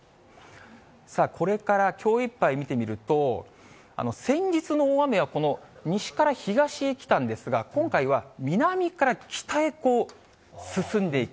さあ、これからきょういっぱい見てみると、先日の大雨は、この西から東へ来たんですが、今回は南から北へ、進んでいく。